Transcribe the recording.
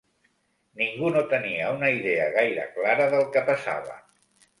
Ningú no tenia una idea gaire clara del que passava